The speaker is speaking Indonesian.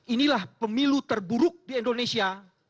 inilah pemilu terburuk di indonesia